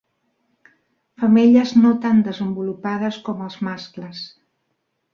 Femelles no tan desenvolupades com els mascles.